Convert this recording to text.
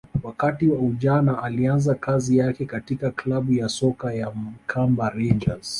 wakati wa ujana alianza kazi yake katika klabu ya soka ya Mkamba rangers